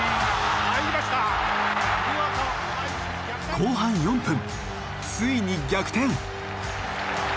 後半４分ついに逆転。